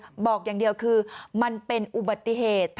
มันเป็นวันเรียงมันเป็นวันเรียง